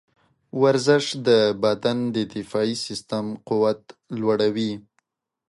ورزش د بدن د دفاعي سیستم قوت لوړوي.